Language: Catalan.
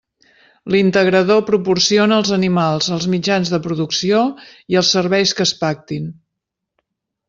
L'integrador proporciona els animals, els mitjans de producció i els serveis que es pactin.